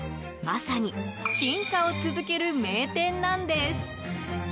まさに進化を続ける名店なんです。